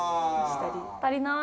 足りない。